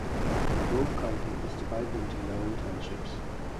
Gove County is divided into nine townships.